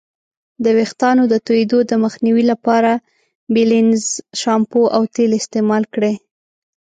د ویښتانو د توییدو د مخنیوي لپاره بیلینزر شامپو او تیل استعمال کړئ.